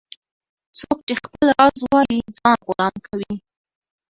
- څوک چي خپل راز وایې ځان غلام کوي.